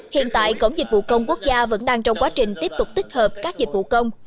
hiện tại cổng dịch vụ công quốc gia vẫn đang trong quá trình tiếp tục tích hợp các dịch vụ công